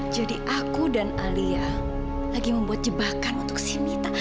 jadi aku dan alia lagi membuat jebakan untuk si mita